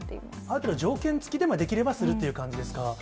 ある程度、条件付きでできればするっていう感じですか。